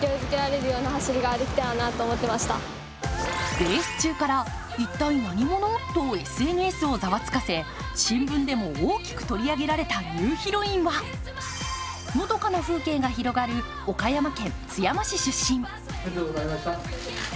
レース中から、一体何者？とＳＮＳをざわつかせ、新聞でも大きく取り上げられたニューヒロインはのどかな風景が広がる岡山県津山市出身。